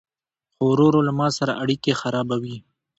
خو ورو ورو له ما سره اړيکي خرابوي